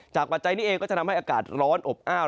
ปัจจัยนี้เองก็จะทำให้อากาศร้อนอบอ้าว